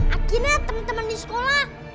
akhirnya temen temen di sekolah